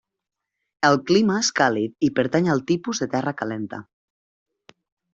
El clima és càlid i pertany al tipus de terra calenta.